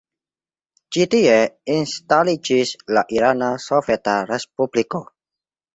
Ĉi-tie instaliĝis la Irana Soveta Respubliko.